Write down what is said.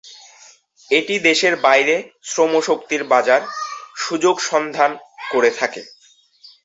এটি দেশের বাইরে শ্রমশক্তির বাজার সুযোগ সন্ধান করে থাকে।